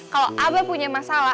kalau abah punya masalah